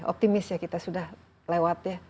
optimis ya kita sudah lewat ya